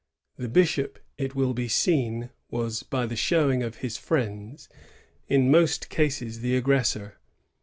The bishop, it will be seen, was, by the showing of his friends, in most cases the aggressor.